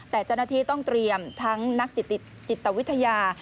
แต่เจ้าหน้าที่ต้องเตรียมทั้งนักจิตวิทยา